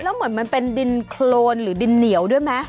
แล้วเหมือนมันเป็นดินโครนหรือดินเหนียวด้วยไหม